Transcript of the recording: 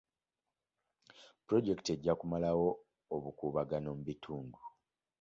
Pulojekiti ejja kumalawo obukuubagano mu bitundu.